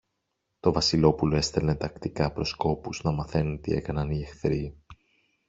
Το Βασιλόπουλο έστελνε τακτικά προσκόπους, να μαθαίνουν τι έκαναν οι εχθροί.